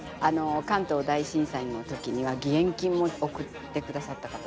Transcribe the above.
関東大震災の時には義援金も送ってくださった方ですよ。